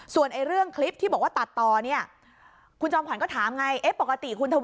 ส่วนเรื่องคลิปที่บอกว่าตัดตอนี้คุณจอมขวัญก็ถามไงปกติคุณทวีดูอ่านข่าวจากหนังสือพิมพ์